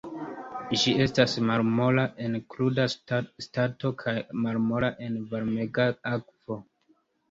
Ĝi estas malmola en kruda stato kaj malmola en varmega akvo.